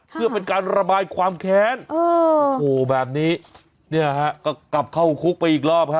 เพื่อเป็นการระบายความแค้นโอ้โหแบบนี้เนี่ยฮะก็กลับเข้าคุกไปอีกรอบฮะ